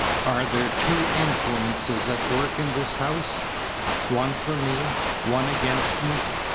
Are there two influences at work in this house one for me, one against me?"